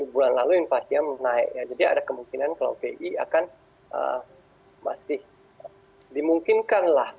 bulan lalu inflasi yang menaik ya jadi ada kemungkinan kalau pi akan masih dimungkinkanlah